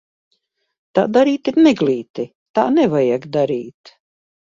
Tā darīt ir neglīti, tā nevajag darīt!